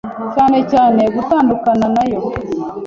cyane cyane gutandukana nayo.